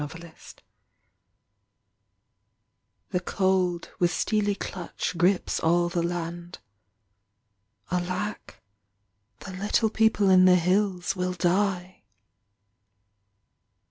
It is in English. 40 WINTER The cold With steely clutch Grips all the land ... alack, The little people in the hills Will die